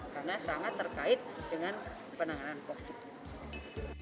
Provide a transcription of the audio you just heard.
karena sangat terkait dengan penanganan covid sembilan belas